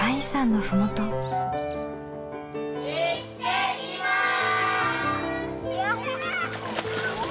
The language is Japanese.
行ってきます！